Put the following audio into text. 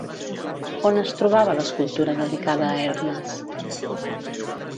On es trobava l'escultura dedicada a Hermes?